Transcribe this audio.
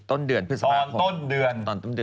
ตอนต้นเดือน